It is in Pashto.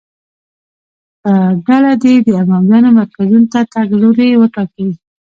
ب ډله دې د امویانو مرکزونو ته تګ لوری وټاکي.